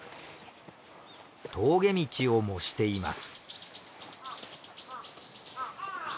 峠道を模しています。